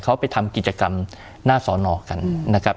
เขาไปทำกิจกรรมหน้าสอนอกันนะครับ